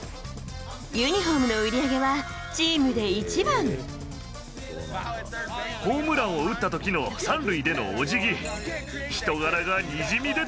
ユニホームの売り上げは、ホームランを打ったときの３塁でのおじぎ。